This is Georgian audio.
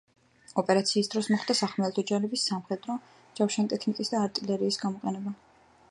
ოპერაციის დროს მოხდა სახმელეთო ჯარების, სამხედრო, ჯავშანტექნიკის და არტილერიის გამოყენება.